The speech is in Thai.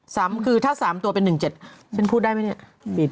ซ้ำคือถ้า๓ตัวเป็น๑๗ฉันพูดได้ไหมเนี่ย